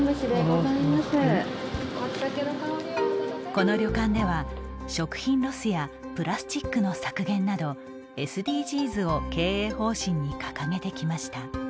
この旅館では食品ロスやプラスチックの削減などＳＤＧｓを経営方針に掲げてきました。